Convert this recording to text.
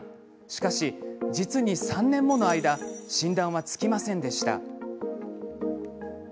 しかし、実に３年もの間診断はつきませんでした。